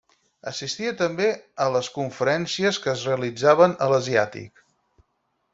Assistia també a les conferències que es realitzaven a l'Asiàtic.